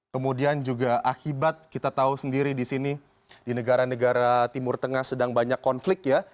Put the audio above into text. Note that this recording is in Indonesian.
kemudian juga akibat kita tahu sendiri di sini di negara negara timur tengah sedang banyak konflik ya